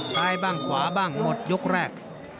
ซ้ายบ้างขวาบ้างหมดยกแรก